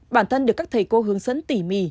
bản thân được các thầy cô hướng dẫn tỉ mỉ